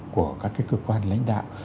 của các cơ quan lãnh đạo